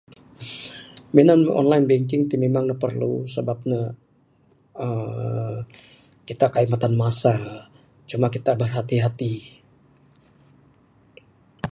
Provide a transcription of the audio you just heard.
Minan online banking ti memang ne perlu sabab ne aaa kita kaik matan masa cuma kita berhati hati.